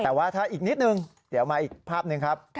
แต่ว่าถ้าอีกนิดนึงเดี๋ยวมาอีกภาพหนึ่งครับ